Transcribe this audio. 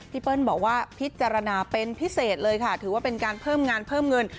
เปิ้ลบอกว่าพิจารณาเป็นพิเศษเลยค่ะถือว่าเป็นการเพิ่มงานเพิ่มเงิน